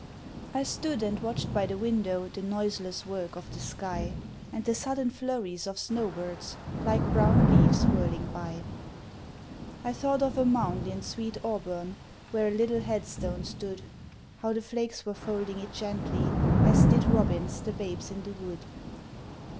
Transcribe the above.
I stood and watched by the window The noiseless work of the sky, And the sudden flurries of snow birds, Like brown leaves whirling by. I thought of a mound in sweet Auburn Where a little headstone stood; How the flakes were folding it gently, As did robins the babes in the wood.